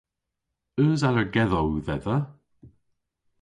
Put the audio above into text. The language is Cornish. Eus allergedhow dhedha?